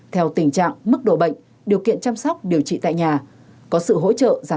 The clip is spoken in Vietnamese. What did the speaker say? theo tình trạng mức độ bệnh điều kiện chăm sóc điều trị tại nhà